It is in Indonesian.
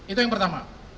itu yang pertama